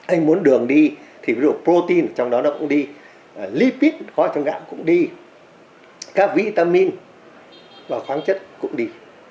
anh muốn đường đi thì ví dụ protein trong đó nó cũng đi lipid có trong gạo cũng đi các vitamin và khoáng chất cũng đi